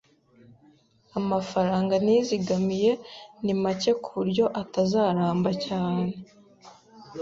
Amafaranga nizigamiye ni make kuburyo atazaramba cyane.